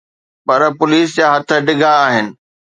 پر police جا هٿ ڊگھا آهن.